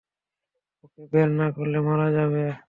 ওকে বের না করলে মারা যাবে।